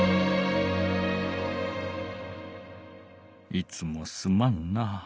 いつもすまんな。